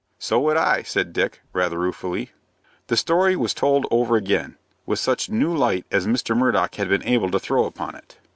"So would I," said Dick, rather ruefully. The story was told over again, with such new light as Mr. Murdock had been able to throw upon it.